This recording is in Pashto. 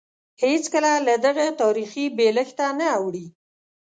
هېڅکله له دغه تاریخي بېلښته نه اوړي.